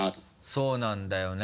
そうなんだよね。